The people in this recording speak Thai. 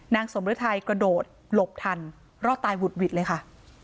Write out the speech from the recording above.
สมฤทัยกระโดดหลบทันรอดตายหุดหวิดเลยค่ะ